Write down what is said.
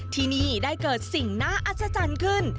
ที่นี่ได้เกิดสิ่งน่าอัศจรรย์ขึ้น